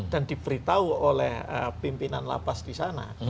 dan diberitahu oleh pimpinan lapas di sana